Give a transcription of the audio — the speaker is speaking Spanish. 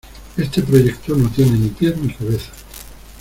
Este proyecto no tiene ni pies ni cabeza.